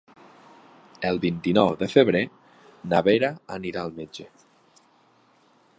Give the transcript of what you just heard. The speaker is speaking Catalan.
El vint-i-nou de febrer na Vera anirà al metge.